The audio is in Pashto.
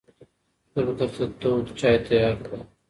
زه به درته تود چای تیار کړم.